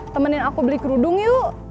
temenin aku beli kerudung yuk